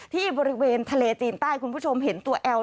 ที่บริเวณทะเลจีนใต้คุณผู้ชมเห็นตัวแอล